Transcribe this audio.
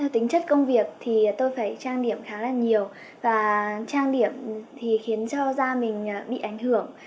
tính chất công việc thì tôi phải trang điểm khá là nhiều và trang điểm thì khiến cho gia mình bị ảnh hưởng